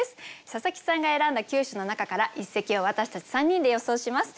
佐佐木さんが選んだ９首の中から一席を私たち３人で予想します。